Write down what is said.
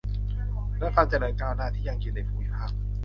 และความเจริญก้าวหน้าที่ยั่งยืนในภูมิภาค